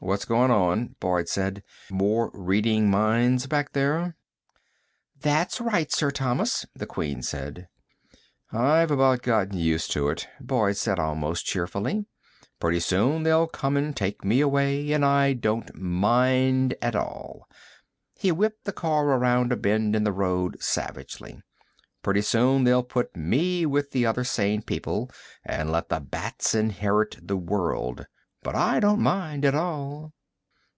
"What's going on?" Boyd said. "More reading minds back there?" "That's right, Sir Thomas," the Queen said. "I've about gotten used to it," Boyd said almost cheerfully. "Pretty soon they'll come and take me away, but I don't mind at all." He whipped the car around a bend in the road savagely. "Pretty soon they'll put me with the other sane people and let the bats inherit the world. But I don't mind at all."